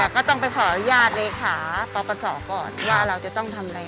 พอลงบินแล้วพอมันเป็นดีอะไรดีลงรากดี